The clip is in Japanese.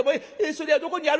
それはどこにある？」。